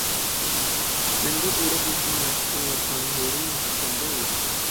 مەندەك ئورۇقلاشنى مەشىق قىلىۋاتقان ھۇرۇن مۈشۈككەندە بۇ؟